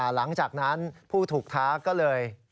หลังจากนั้นผู้ถูกท้าก็เลย